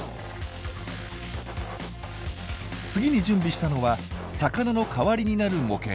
次に準備したのは魚の代わりになる模型。